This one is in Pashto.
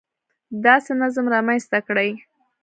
داسې نظم رامنځته کړي